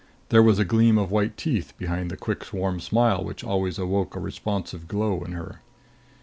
There was a gleam of white teeth behind the quick, warm smile which always awoke a responsive glow in her.